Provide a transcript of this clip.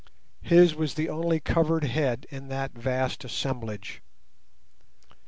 His was the only covered head in that vast assemblage.